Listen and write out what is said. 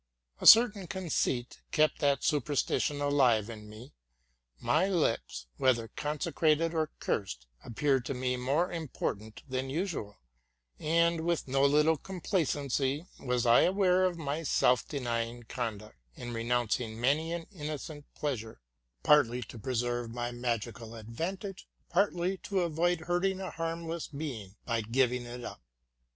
A certain conceit kept that superstition alive in me; my lips, whether consecrated or cursed, appeared to me more important than usual; and with no little complacency was I aware of my self denying conduct, i renouncing many an innocent pleasure, partly to preserye 62 TRUTH AND FICTION my magical advantage, partly to avoid injuring a harmless being by giving it up.